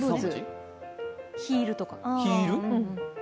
ヒールとか？